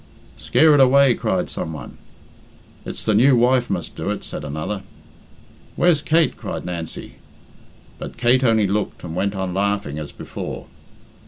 "Scare it away," cried some one. "It's the new wife must do it," said another. "Where's Kate?" cried Nancy. But Kate only looked and went on laughing as before.